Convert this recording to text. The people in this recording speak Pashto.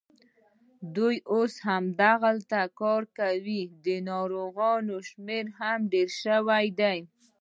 دوی اوس هماغلته کار کوي، د ناروغانو شمېر هم ډېر شوی دی.